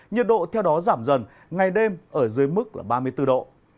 nhiệt độ theo đó giảm dần ngày đêm ở dưới mức là ba mươi bốn độ